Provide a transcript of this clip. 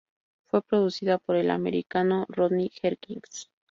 Fue producida por el americano Rodney Jerkins.